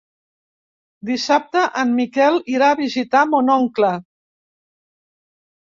Dissabte en Miquel irà a visitar mon oncle.